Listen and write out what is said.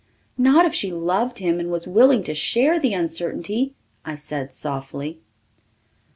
"Not if she loved him and was willing to share the uncertainty," I said softly.